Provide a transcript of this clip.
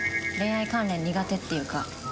恋愛関連苦手っていうか。